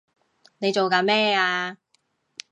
你做緊咩啊！